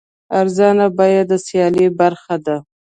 ارزانه بیه د سیالۍ برخه ده.